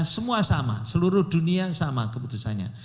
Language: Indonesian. semua sama seluruh dunia sama keputusannya